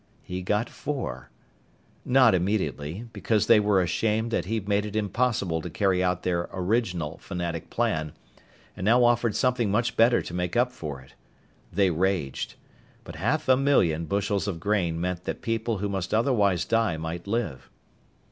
He got four. Not immediately, because they were ashamed that he'd made it impossible to carry out their original fanatic plan, and now offered something much better to make up for it. They raged. But half a million bushels of grain meant that people who must otherwise die might live.